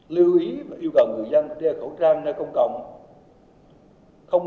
lưu ý và yêu cầu người dân đeo khẩu trang ra công cộng